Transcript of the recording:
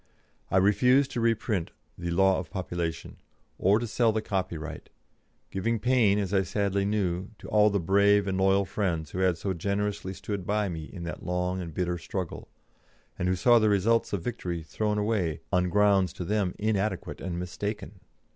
I refused to reprint the "Law of Population," or to sell the copyright, giving pain, as I sadly knew, to all the brave and loyal friends who had so generously stood by me in that long and bitter struggle, and who saw the results of victory thrown away on grounds to them inadequate and mistaken!